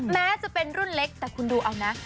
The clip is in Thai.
แม้จะเป็นรุ่นเล็กแต่คุณดูเอานะ